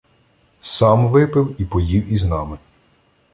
Сам випив і поїв із нами.